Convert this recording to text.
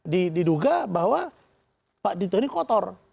diduga bahwa pak dito ini kotor